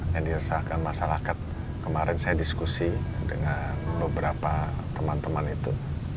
yang diresahkan masyarakat kemarin saya diskusi dengan beberapa teman teman itu